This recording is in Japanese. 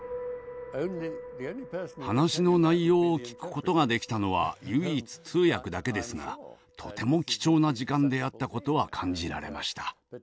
話の内容を聞くことができたのは唯一通訳だけですがとても貴重な時間であったことは感じられました。